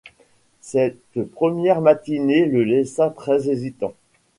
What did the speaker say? Cette première matinée le laissa très-hésitant.